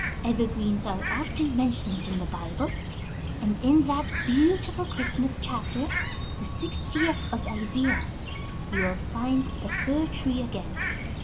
Evergreens are often mentioned in the Bible, and in that beautiful Christmas chapter, the sixtieth of Isaiah, you will find the fir tree again.